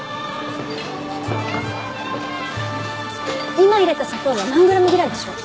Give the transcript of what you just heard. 今入れた砂糖は何グラムぐらいでしょう？